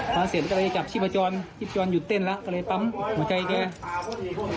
พอเสร็จก็เลยจับชีพจรชีพจรหยุดเต้นแล้วก็เลยปั๊มหัวใจแก